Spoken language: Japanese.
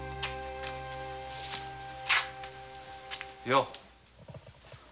よう！